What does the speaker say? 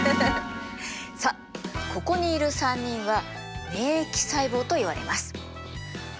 さあここにいる３人は「免疫細胞」といわれます。